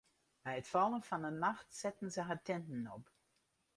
By it fallen fan 'e nacht setten se har tinten op.